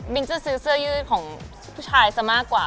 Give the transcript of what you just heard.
จะซื้อเสื้อยืดของผู้ชายซะมากกว่า